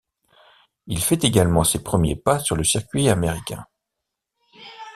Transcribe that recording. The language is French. Il fait également ses premiers pas sur le circuit américain.